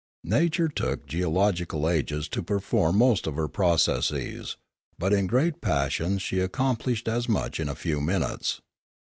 Nature took geological ages to perform most of her processes; but in great passions she accom plished as much in a few minutes.